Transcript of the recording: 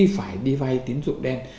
phải đi vai tín dụng đen